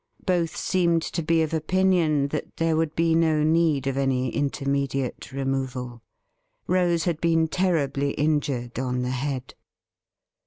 Both seemed to be of opinion that there would be no need of any intermediate removal. Rose had been terribly injured on the head.